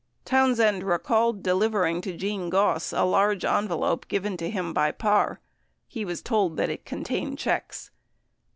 Townsend recalled delivering to Gene Goss a large envelope given to him by Parr. He was told that it contained checks.